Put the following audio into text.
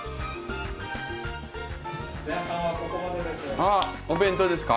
あっお弁当ですか？